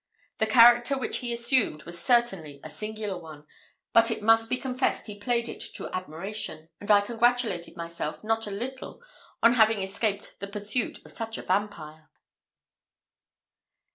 The character which he assumed was certainly a singular one, but it must be confessed he played it to admiration; and I congratulated myself not a little on having escaped the pursuit of such a vampire.